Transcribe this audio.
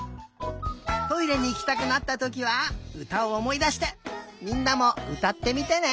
トイレにいきたくなったときはうたをおもいだしてみんなもうたってみてね！